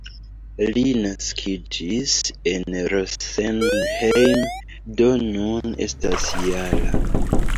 Li naskiĝis en Rosenheim, do nun estas -jara.